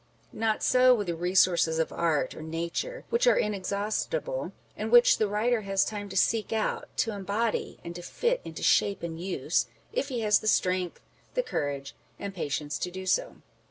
Not so with the resources of art or nature, which are inexhaustible, and which the writer has time to seek out, to embody, and to fit into shape and use, if he has the strength, the courage, and patience to do so.